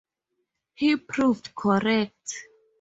He proved correct.